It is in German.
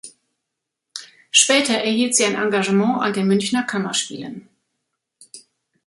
Später erhielt sie ein Engagement an den Münchner Kammerspielen.